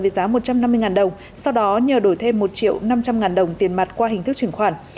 với giá một trăm năm mươi đồng sau đó nhờ đổi thêm một triệu năm trăm linh ngàn đồng tiền mặt qua hình thức chuyển khoản